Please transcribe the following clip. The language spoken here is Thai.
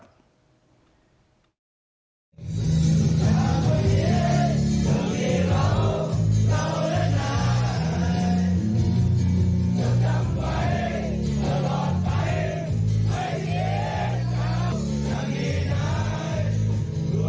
จะจำไว้ตลอดไปไม่เกลียดข้าว